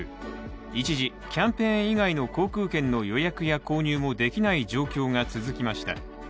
一時キャンペーン以外の航空券の予約や購入もできない状況が続きました。